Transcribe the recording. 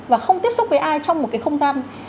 và không tiếp xúc với ai trong một cái không gian